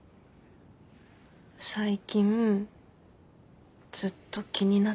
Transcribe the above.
最近ずっと気になってた。